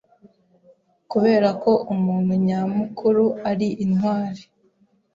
kubera ko umuntu nyamukuru ari intwari